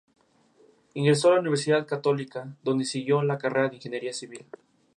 Ha participado en varios festivales en Rusia, Turquía, Italia, Letonia y Georgia.